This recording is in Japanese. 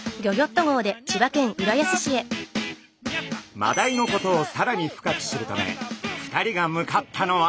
マダイのことをさらに深く知るため２人が向かったのは。